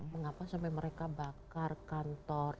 mengapa sampai mereka bakar kantor